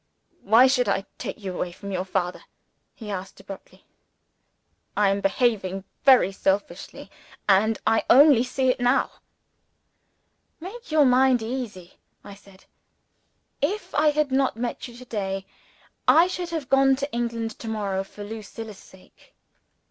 "Why should I take you away from your father?" he asked abruptly. "I am behaving very selfishly and I only see it now." "Make your mind easy," I said. "If I had not met you to day, I should have gone to England to morrow for Lucilla's sake."